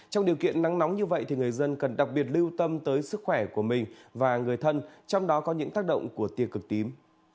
trong điều kiện nắng nóng như vậy thì người dân cần đặc biệt lưu tâm tới sức khỏe của mình và người thân trong đó có những tác động của tiê cực tím